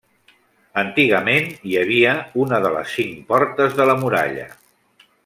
Antigament hi havia una de les cinc portes de la muralla.